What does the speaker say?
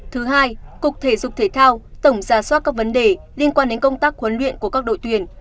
thứ hai cục thể dục thể thao tổng ra soát các vấn đề liên quan đến công tác huấn luyện của các đội tuyển